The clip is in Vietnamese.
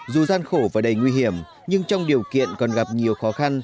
dù gian khổ và đầy nguy hiểm nhưng trong điều kiện còn gặp nhiều khó khăn